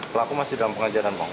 pelaku masih dalam pengajaran